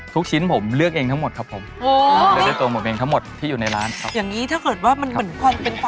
ทุกชิ้นผมเลือกเองทั้งหมดครับผมเลือกได้ตัวผมเองทั้งหมดที่อยู่ในร้านครับคุณเป็นต่อแล้วเวลาเลือกเนี่ยเลือกได้ตัวผมเองทั้งหมดที่อยู่ในร้านครับ